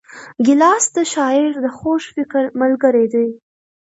ګیلاس د شاعر د خوږ فکر ملګری دی.